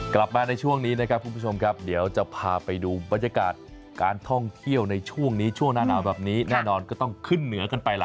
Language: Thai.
กลับมาในช่วงนี้นะครับคุณผู้ชมครับเดี๋ยวจะพาไปดูบรรยากาศการท่องเที่ยวในช่วงนี้ช่วงหน้าหนาวแบบนี้แน่นอนก็ต้องขึ้นเหนือกันไปล่ะ